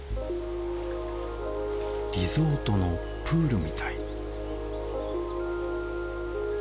リゾートのプールみたい